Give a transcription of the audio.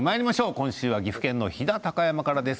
今週は岐阜県の飛騨高山からです。